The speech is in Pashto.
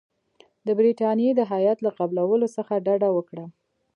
د برټانیې د هیات له قبولولو څخه ډډه وکړه.